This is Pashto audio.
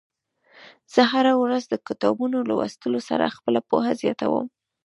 زه هره ورځ د کتابونو لوستلو سره خپله پوهه زياتوم.